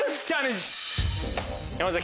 山崎